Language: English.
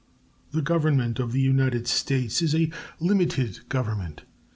The Government of the United States is a limited Government.